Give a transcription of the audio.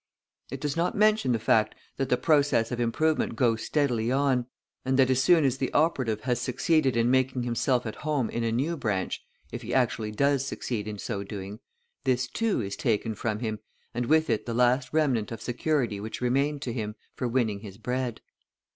It does not mention the fact that the process of improvement goes steadily on, and that as soon as the operative has succeeded in making himself at home in a new branch, if he actually does succeed in so doing, this, too, is taken from him, and with it the last remnant of security which remained to him for winning his bread.